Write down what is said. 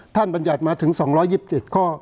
บรรยัติมาถึง๒๒๗ข้อ